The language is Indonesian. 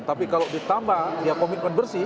tapi kalau ditambah ya komitmen bersih